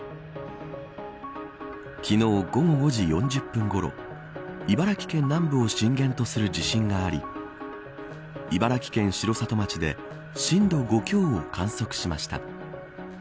昨日、午後５時４０分ごろ茨城県南部を震源とする地震があり茨城県城里町で震度５強を観測しました。